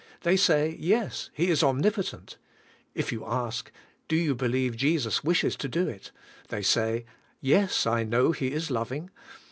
they say," Yes; He is omnipotent." If 3'ou ask, "Do you believe Jesus wishes to do it?" they sa}^ "Yes, I know He is loving."